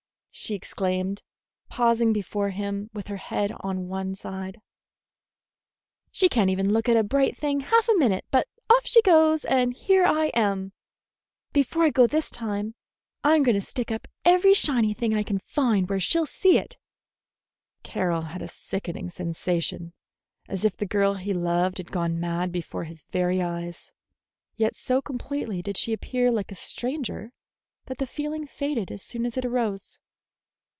she exclaimed, pausing before him with her head on one side; "she can't even look at a bright thing half a minute but off she goes, and here I am. Before I go this time, I'm going to stick up every shiny thing I can find where she'll see it." Carroll had a sickening sensation, as if the girl he loved had gone mad before his very eyes; yet so completely did she appear like a stranger that the feeling faded as soon as it arose.